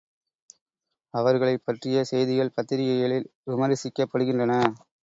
அவர்களைப் பற்றிய செய்திகள் பத்திரிகைகளில் விமரிசிக்கப்படுகின்றன.